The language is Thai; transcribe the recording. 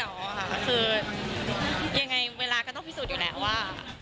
อ๋อค่ะก็คือยังไงเวลาก็ต้องพิสูจน์อยู่แหละว่า